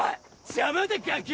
邪魔だガキ！